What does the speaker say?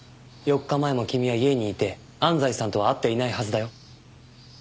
４日前も君は家にいて安西さんとは会っていないはずだよ。